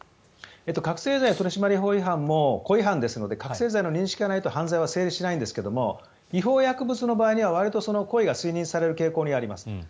覚せい剤取締法も故意犯ですので覚醒剤であるとの認識がないと犯罪は成立しないんですが違法薬物の場合はわりと故意が推認される傾向にあります。